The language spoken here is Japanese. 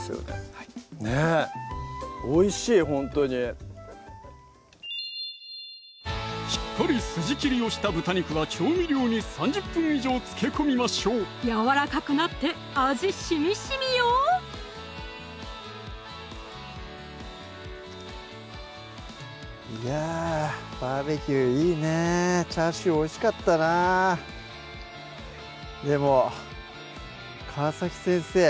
はいねっおいしいほんとにしっかり筋切りをした豚肉は調味料に３０分以上つけ込みましょうやわらかくなって味しみしみよいやバーベキューいいねチャーシューおいしかったなぁでも川先生